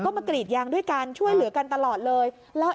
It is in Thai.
มากรีดยางด้วยกันช่วยเหลือกันตลอดเลย